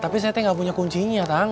tapi saya teng gak punya kuncinya tang